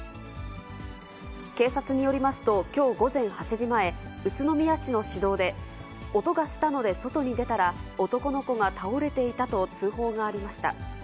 警察によりますと、きょう午前８時前、宇都宮市の市道で、音がしたので外に出たら、男の子が倒れていたと通報がありました。